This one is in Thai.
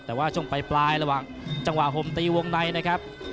แต่ว่าช่วงปลายระหว่างจังหวะห่มตีวงในนะครับ